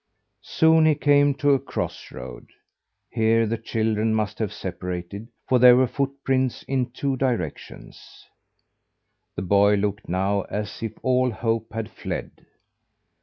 Soon he came to a cross road. Here the children must have separated, for there were footprints in two directions. The boy looked now as if all hope had fled.